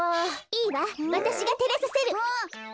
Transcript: いいわわたしがてれさせる。